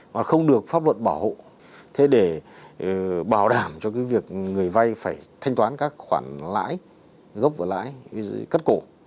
và không được pháp luật bảo hộ thế để bảo đảm cho cái việc người vay phải thanh toán các khoản lãi gốc và lãi cắt cổ